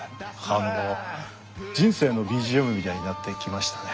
あの人生のＢＧＭみたいになってきましたね。